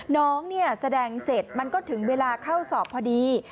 น้องเนี่ยแสดงเสร็จมันก็ถึงเวลาเข้าสอบพอดี